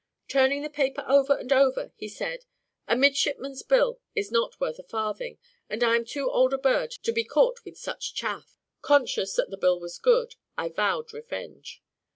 Turning the paper over and over, he said, "a midshipman's bill is not worth a farthing, and I am too old a bird to be caught with such chaff." Conscious that the bill was good, I vowed revenge.